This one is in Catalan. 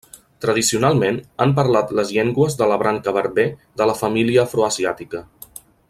Tradicionalment, han parlat les llengües de la branca berber de la família afroasiàtica.